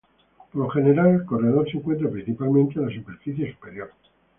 Por lo general, el corredor se encuentra principalmente en la superficie superior.